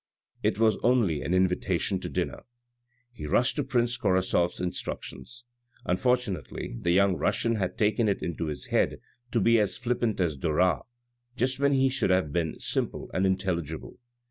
It was only an. invitation to dinner. He rushed to prince KorasofFs instructions. Unfortunately the young Russian had taken it into his head to be as flippant as Dorat, just when he should have been simple and intelligible